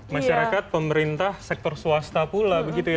masyarakat pemerintah sektor swasta pula begitu ya